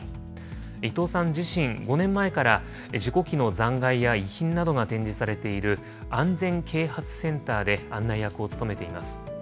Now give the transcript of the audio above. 伊藤さん自身、５年前から事故機の残骸や遺品などが展示されている安全啓発センターで案内役を務めています。